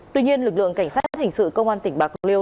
tuy nhiên lực lượng cảnh sát hình sự công an tỉnh bạc liêu